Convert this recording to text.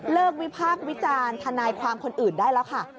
วิพากษ์วิจารณ์ทนายความคนอื่นได้แล้วค่ะ